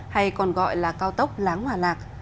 hay còn gọi là cao tốc láng hòa lạc